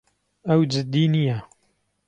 ئەو جددی نییە.